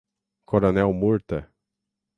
Coronel Murta